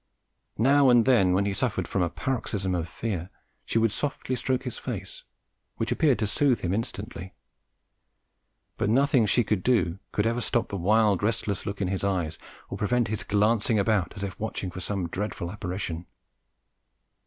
Now and then when he suffered from a paroxysm of fear, she would softly stroke his face, which appeared to soothe him instantly; but nothing she could do could ever stop the wild restless look in his eyes or prevent his glancing about as if watching for some dreadful apparition.